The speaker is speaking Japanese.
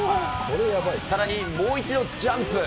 さらにもう一度ジャンプ。